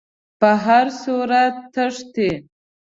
په هر صورت تښتي.